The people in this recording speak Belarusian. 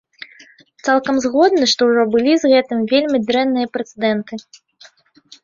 Цалкам згодны, што ўжо былі з гэтым вельмі дрэнныя прэцэдэнты.